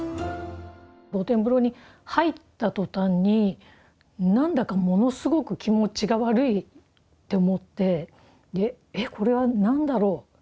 露天風呂に入ったとたんに何だかものすごく気持ちが悪いって思って「えっこれは何だろう。